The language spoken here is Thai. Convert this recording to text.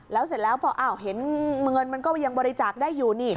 แล้วเสร็จแล้วพอเห็นเงินมันก็ยังบริจาคได้อยู่นี่